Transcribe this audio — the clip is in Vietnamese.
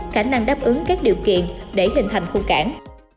khả năng đáp ứng các điều kiện để hình thành khu cảng